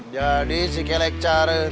jadi si kelek caranya